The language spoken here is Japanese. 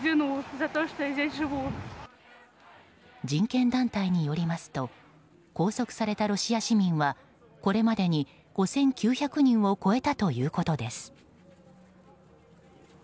人権団体によりますと拘束されたロシア市民はこれまでに５９００人を超えたということです。